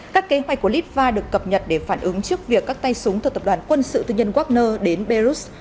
các kế hoạch của litva được cập nhật để phản ứng trước việc các tay súng từ tập đoàn quân sự tư nhân wagner đến belarus